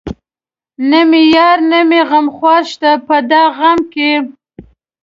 نه مې يار نه مې غمخوار شته په دا غم کې